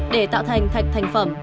để tạo thành thạch thành phẩm